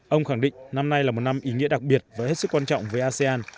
ông khẳng định năm nay là một năm ý nghĩa đặc biệt và hết sức quan trọng với asean